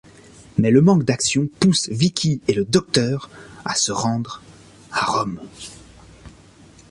Mais le manque d'action pousse Vicki et le Docteur à se rendre à Rome.